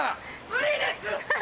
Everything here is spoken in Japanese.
無理です！